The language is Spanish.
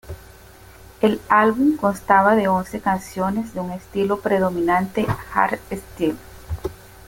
El álbum constaba de once canciones de un estilo predominante hardstyle.